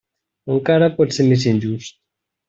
Encara pot ser més injust.